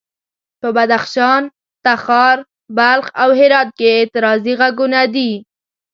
په بدخشان، تخار، بلخ او هرات کې اعتراضي غږونه دي.